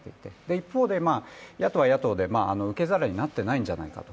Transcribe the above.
一方で野党は野党で受け皿になっていないんじゃないかと。